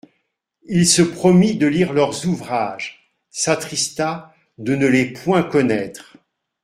Il se promit de lire leurs ouvrages, s'attrista de ne les point connaître.